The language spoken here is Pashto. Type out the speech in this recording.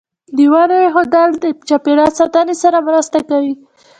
د ونو ایښودل د چاپیریال ساتنې سره مرسته کوي.